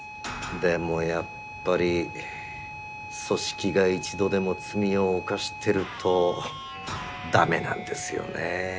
でもやっぱり組織が１度でも罪を犯してるとだめなんですよね。